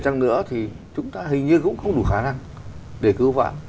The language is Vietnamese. chăng nữa thì chúng ta hình như cũng không đủ khả năng để cứu vãn